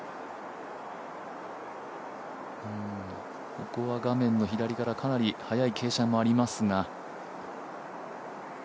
ここは画面の左から、かなり速い傾斜もありますが。